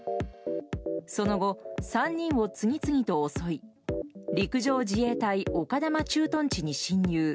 その後、３人を次々と襲い陸上自衛隊丘珠駐屯地に侵入。